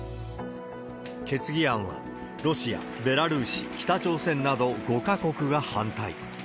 決議案はロシア、ベラルーシ、北朝鮮など５か国が反対。